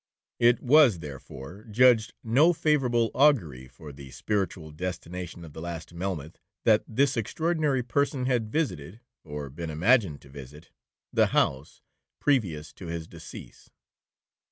It was therefore judged no favourable augury for the spiritual destination of the last Melmoth, that this extraordinary person had visited, or been imagined to visit, the house previous to his decease.'